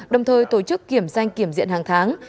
đồng thời tổ chức kiểm danh kiểm diện hàng tháng